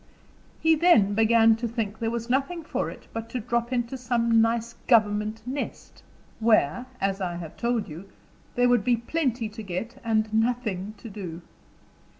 He began then to think there was nothing for it but to drop into some nice government nest, where, as I have told you, there would be plenty to get and nothing to do.